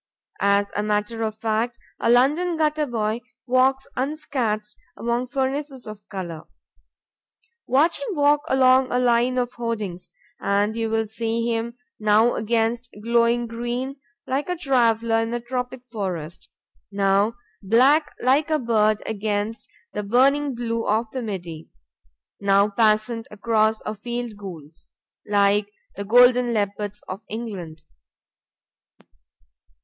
As a matter of fact, a London gutter boy walks unscathed among furnaces of color. Watch him walk along a line of hoardings, and you will see him now against glowing green, like a traveler in a tropic forest; now black like a bird against the burning blue of the Midi; now passant across a field gules, like the golden leopards of England.